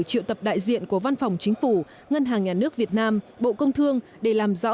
triệu tập đại diện của văn phòng chính phủ ngân hàng nhà nước việt nam bộ công thương để làm rõ